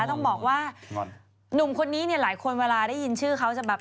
ต้องบอกว่าหนุ่มคนนี้เนี่ยหลายคนเวลาได้ยินชื่อเขาจะแบบ